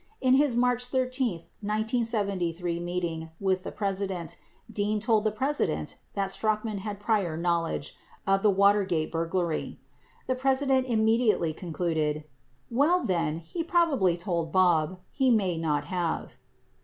8 In his March 13, 1973, meeting with the President, Dean told the President that Strachan had prior knowl edge of the Watergate burglary. The President immediately con cluded : "Well, then, he probably told Bob. He may not have."